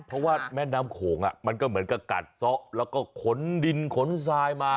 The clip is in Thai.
เพราะว่าแม่น้ำโขงมันก็เหมือนกับกัดซะแล้วก็ขนดินขนทรายมา